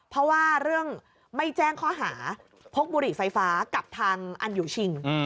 เพราะว่าเรื่องไม่แจ้งข้อหาพกบุหรี่ไฟฟ้ากับทางอันอยู่ชิง